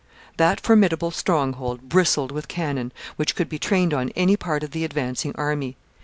That formidable stronghold bristled with cannon, which could be trained on any part of the advancing army.